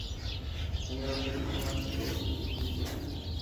Tiene dos hermanas, Leigh y Gillian.